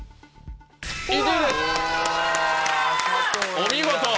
お見事。